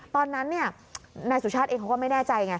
ตอนนั้นนายสุชาติเองเขาก็ไม่แน่ใจไง